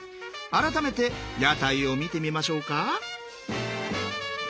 改めて屋台を見てみましょうか。